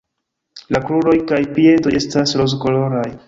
La kruroj kaj piedoj estas rozkoloraj.